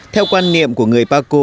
theo quan niệm của người paco